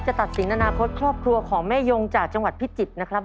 ตัดสินอนาคตครอบครัวของแม่ยงจากจังหวัดพิจิตรนะครับ